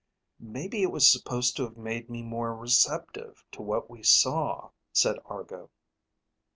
"Maybe it was supposed to have made me more receptive to what we saw," said Argo.